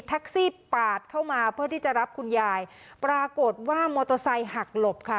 ปาดเข้ามาเพื่อที่จะรับคุณยายปรากฏว่ามอเตอร์ไซค์หักหลบค่ะ